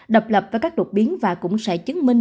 độc lập với các đột biến và cũng sẽ chứng minh